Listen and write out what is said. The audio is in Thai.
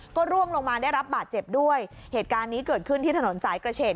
ก็ร่วงลงมาได้รับบาดเจ็บด้วยเหตุการณ์นี้เกิดขึ้นที่ถนนสายกระเฉด